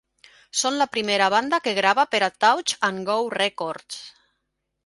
Són la primera banda que grava per a Touch and Go Records.